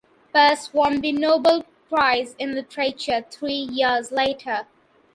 Perse won the Nobel Prize in Literature three years later.